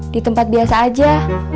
di tempat biasa aja